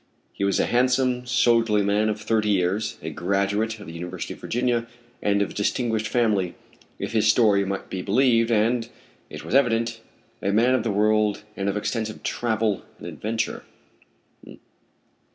He was a handsome, soldierly man of thirty years, a graduate of the University of Virginia, and of distinguished family, if his story might be believed, and, it was evident, a man of the world and of extensive travel and adventure.